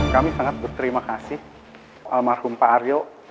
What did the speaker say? kami sangat berterima kasih almarhum pak aryo